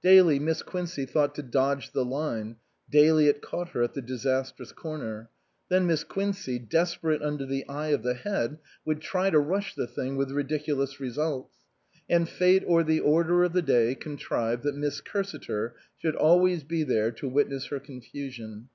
Daily Miss Quincey thought to dodge the line ; daily it caught her at the disastrous corner. Then Miss Quincey, desperate under the eye of the Head, would try to rush the thing, with ridiculous results. And Fate or the Order of the day contrived that Miss Cursiter should always be there to witness her confusion.